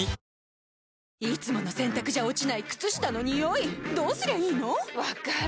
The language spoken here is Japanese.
いつもの洗たくじゃ落ちない靴下のニオイどうすりゃいいの⁉分かる。